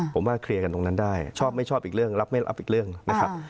ผมว่าเคลียร์กันตรงนั้นได้ชอบไม่ชอบอีกเรื่องรับไม่รับอีกเรื่องนะครับ